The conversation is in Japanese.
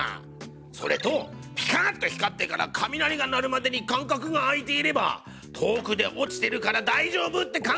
それと「ピカッと光ってから雷が鳴るまでに間かくがあいていれば遠くで落ちてるからだいじょうぶ」って考えるのも危険だよ。